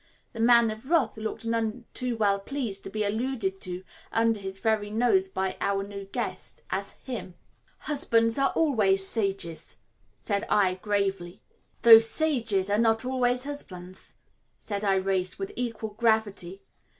The Man of Wrath looked none too well pleased to be alluded to under his very nose by our new guest as "him." "Husbands are always sages," said I gravely. "Though sages are not always husbands," said Irais with equal gravity.